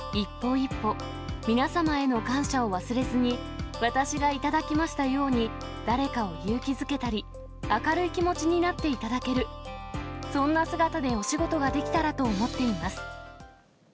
一歩、皆様への感謝を忘れずに、私が頂きましたように、誰かを勇気づけたり、明るい気持ちになっていただける、そんな姿でお仕事ができたらと思っています。